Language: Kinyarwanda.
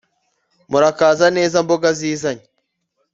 Murakaza neza mboga zizanye!